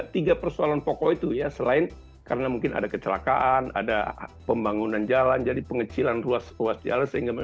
tiga persoalan pokok itu ya selain karena mungkin ada kecelakaan ada pembangunan jalan jadi pengecilan ruas jalan